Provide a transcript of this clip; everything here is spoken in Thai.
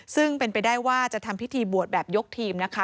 ซึ่งเป็นไปได้ว่าจะทำพิธีบวชแบบยกทีมนะคะ